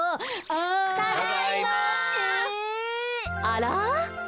あら？